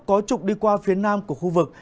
có trục đi qua phía nam của khu vực